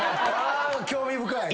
興味深い！